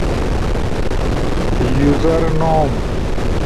یوزر نوم